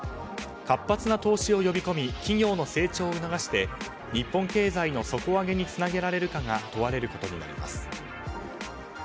活発な投資を呼び込み企業の成長を促して日本経済の底上げにつなげられるかが問われることになります。